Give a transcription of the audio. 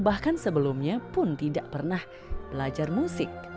bahkan sebelumnya pun tidak pernah belajar musik